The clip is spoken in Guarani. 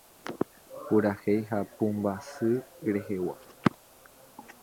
Purahéi ha pumbasy rehegua